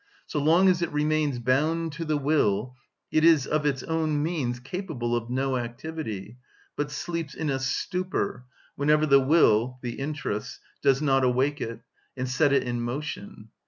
So long as it remains bound to the will, it is of its own means capable of no activity, but sleeps in a stupor, whenever the will (the interests) does not awake it, and set it in motion.